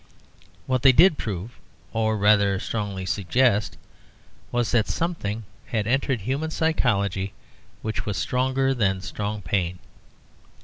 What they did prove, or, rather, strongly suggest, was that something had entered human psychology which was stronger than strong pain.